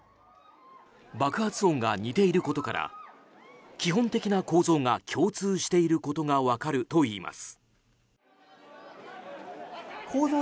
爆発音が似ていることから基本的な構造が共通していることが分かるといいます。